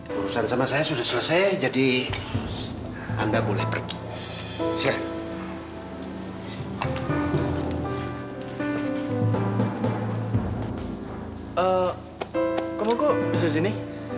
kok mau gue besok sini